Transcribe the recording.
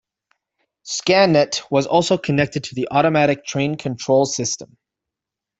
Scanet was also connected to the automatic train control system.